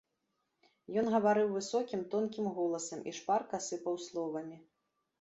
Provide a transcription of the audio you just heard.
Ён гаварыў высокім, тонкім голасам і шпарка сыпаў словамі.